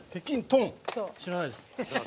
知らないです。